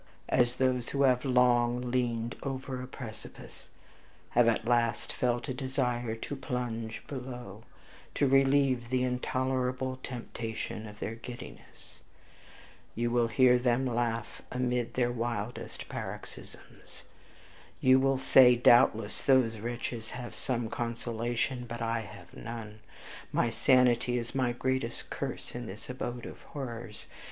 As those who have long leaned over a precipice, have at last felt a desire to plunge below, to relieve the intolerable temptation of their giddiness,* you will hear them laugh amid their wildest paroxysms; you will say, 'Doubtless those wretches have some consolation, but I have none; my sanity is my greatest curse in this abode of horrors.